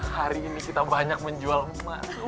hari ini kita banyak menjual emak